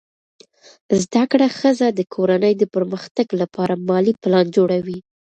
زده کړه ښځه د کورنۍ د پرمختګ لپاره مالي پلان جوړوي.